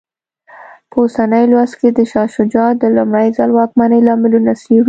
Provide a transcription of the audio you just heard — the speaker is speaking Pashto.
په اوسني لوست کې د شاه شجاع د لومړي ځل واکمنۍ لاملونه څېړو.